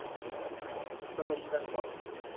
A ke llong nda i ngoamna.